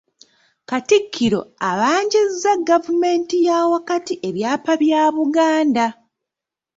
Katikkiro abanjizza gavumenti ya wakati ebyapa bya Buganda.